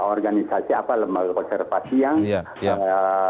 organisasi lembaga konservasi yang